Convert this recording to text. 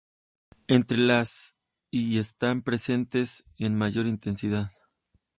Entre las y están presentes ambos en mayor intensidad.